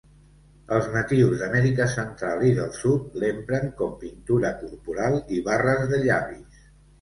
Els natius d'Amèrica central i del Sud l'empren com pintura corporal i barres de llavis.